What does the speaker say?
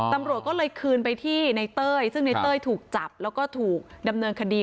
ตำรวจก็เลยคืนไปที่ในเต้ยซึ่งในเต้ยถูกจับแล้วก็ถูกดำเนินคดี